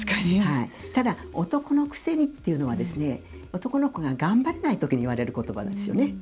ただ、男のくせにというのは男の子が頑張れないときに言われることばですよね。